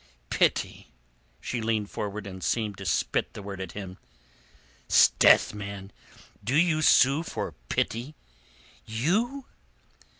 "Pity?" She leaned forward and seemed to spit the word at him. "'Sdeath, man! Do you sue for pity—you?"